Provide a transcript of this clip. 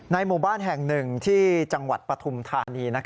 หมู่บ้านแห่งหนึ่งที่จังหวัดปฐุมธานี